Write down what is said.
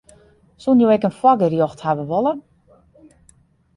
Soenen jo ek in foargerjocht hawwe wolle?